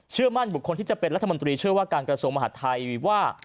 มั่นบุคคลที่จะเป็นรัฐมนตรีเชื่อว่าการกระทรวงมหาดไทยว่า